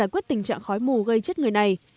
giải quyết tình trạng khói mù gây chết người này